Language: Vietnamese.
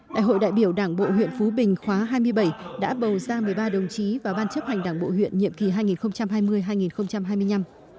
đại hội đại biểu đảng bộ huyện phú bình khóa hai mươi bảy đã bầu ra một mươi ba đồng chí vào ban chấp hành đảng bộ huyện nhiệm kỳ hai nghìn hai mươi hai nghìn hai mươi năm